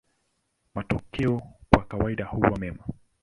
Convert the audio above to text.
Matokeo kwa kawaida huwa mema.